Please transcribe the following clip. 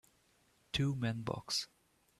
Two men box.